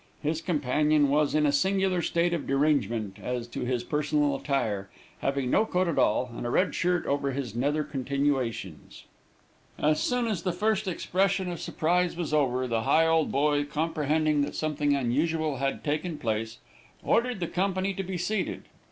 His companion was in a singular state of derangement as to his personal attire, having no coat at all, and a red shirt over his nether continuations. As soon as the first expression of surprise was over, the Higholdboy, comprehending that something unusual had taken place, ordered the company to be seated.